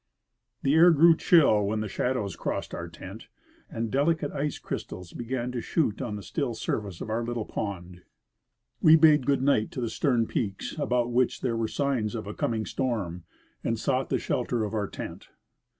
The air grcAV chill Avhen the shadows crossed our tent, and delicate ice crystals began to shoot on the still surface of our little pond. We bade good night to the stern peaks, about which there Avere signs of a coming storm, and sought the shelter of our tent.